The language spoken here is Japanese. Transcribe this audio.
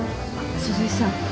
鈴井さん